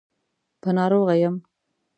په ناروغه يم.